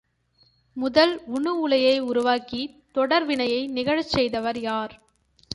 முதல் உணு உலையை உருவாக்கித் தொடர்வினையை நிகழச் செய்தவர் யார்?